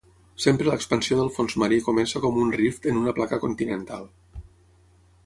Sempre l'expansió del fons marí comença com un rift en una placa continental.